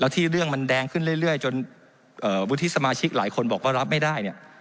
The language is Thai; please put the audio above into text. ที่เรื่องมันแดงขึ้นเรื่อยจนวุฒิสมาชิกหลายคนบอกว่ารับไม่ได้เนี่ย